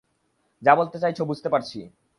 যা বলতে চাইছো, বুঝতে পারছি।